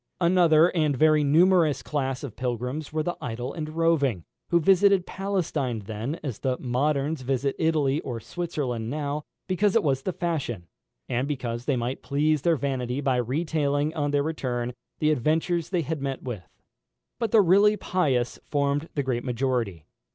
Another and very numerous class of pilgrims were the idle and roving, who visited Palestine then as the moderns visit Italy or Switzerland now, because it was the fashion, and because they might please their vanity by retailing, on their return, the adventures they had met with. But the really pious formed the great majority.